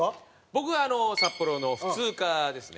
僕は札幌の普通科ですね。